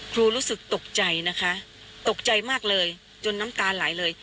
รู้สึกตกใจนะคะตกใจมากเลยจนน้ำตาไหลเลย